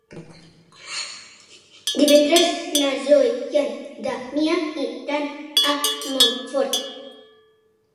Divendres na Zoè i en Damià iran a Montfort.